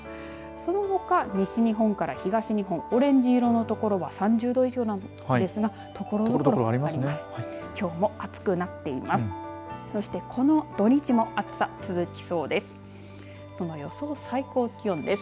そのほか西日本から東日本オレンジ色の所は３０度以上なんですがところどころあります。